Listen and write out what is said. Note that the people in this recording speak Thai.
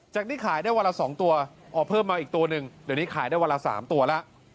จากนี้ขายได้เวลา๒ตัวเอาเพิ่มมาอีกตัวหนึ่งเดี๋ยวนี้ขายได้เวลา๓ตัวละ